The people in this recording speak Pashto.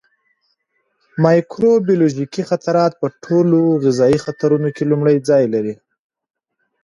مایکروبیولوژیکي خطرات په ټولو غذایي خطرونو کې لومړی ځای لري.